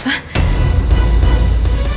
saya mau ke rumah